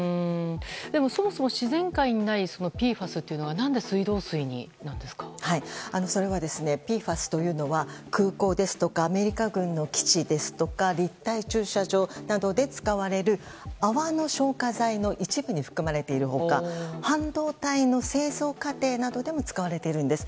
でも、そもそも自然界にないＰＦＡＳというのがそれは、ＰＦＡＳというのは空港ですとかアメリカ軍の基地ですとか立体駐車場などで使われる泡の消火剤の一部に含まれている他半導体の製造過程などでも使われているんです。